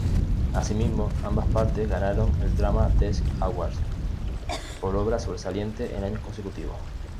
Asimismo, ambas partes ganaron el "Drama Desk Awards" por Obra sobresaliente en años consecutivos.